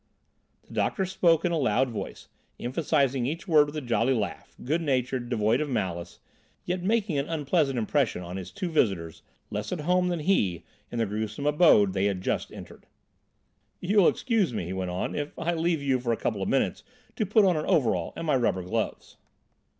The doctor spoke in a loud voice, emphasising each word with a jolly laugh, good natured, devoid of malice, yet making an unpleasant impression on his two visitors less at home than he in the gruesome abode they had just entered. "You will excuse me," he went on, "if I leave you for a couple of minutes to put on an overall and my rubber gloves?"